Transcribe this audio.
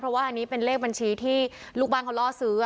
เพราะว่าอันนี้เป็นเลขบัญชีที่ลูกบ้านเขาล่อซื้อ